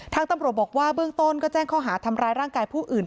ตำรวจบอกว่าเบื้องต้นก็แจ้งข้อหาทำร้ายร่างกายผู้อื่น